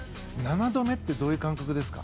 ７度目ってどういう感覚ですか？